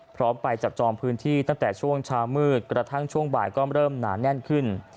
พร้อมไปจับจองพื้นที่ตั้งแต่ช่วงเช้ามืดกระทั่งช่วงบ่ายก็เริ่มหนาแน่นขึ้น